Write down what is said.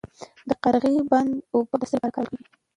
د قرغې بند اوبه د څه لپاره کارول کیږي؟